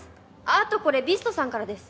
あっあとこれビーストさんからです。